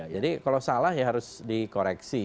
kalau salah ya harus dikoreksi